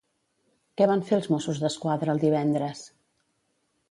Què van fer els Mossos d'Esquadra el divendres?